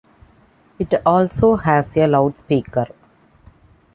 It also has a loudspeaker.